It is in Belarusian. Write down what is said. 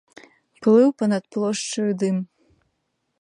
Плыў па-над плошчаю дым.